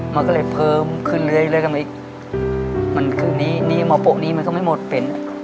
มันก็เลยเพิ่มขึ้นเรื่อยเรื่อยกันมาอีกมันคือนี่นี่มอโปนี้มันก็ไม่หมดเป็น